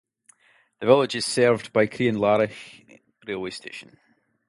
The village is served by Crianlarich railway station.